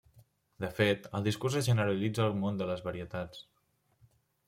De fet, el discurs es generalitza al món de les varietats.